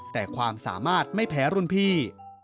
แต่ความสามารถไม่แพ้รุ่นพี่